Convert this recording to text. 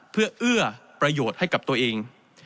เพื่อเอื้อประโยชน์ให้กับตัวเอง